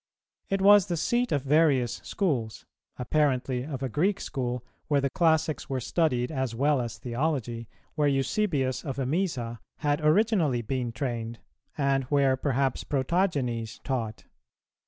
It was the seat of various schools; apparently of a Greek school, where the classics were studied as well as theology, where Eusebius of Emesa[291:4] had originally been trained, and where perhaps Protogenes taught.